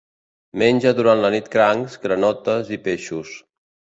Menja durant la nit crancs, granotes i peixos.